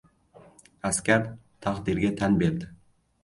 Askar taqdirga tan berdi.